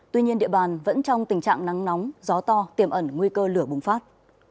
tuy nhiên địa bàn vẫn trong tình trạng nắng nóng gió to tiềm ẩn nguy cơ lửa bùng phát